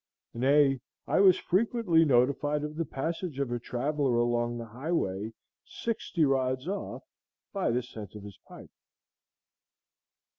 Nay, I was frequently notified of the passage of a traveller along the highway sixty rods off by the scent of his pipe.